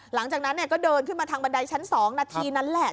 หลังจากนั้นก็เดินขึ้นมาทางบันไดชั้น๒นาทีนั้นแหละ